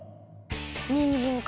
にんじんか。